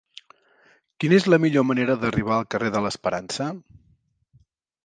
Quina és la millor manera d'arribar al carrer de l'Esperança?